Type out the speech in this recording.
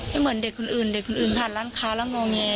ไม่เหมือนเด็กคนอื่นเด็กคนอื่นผ่านล้างค้าล้างโงงเนี่ย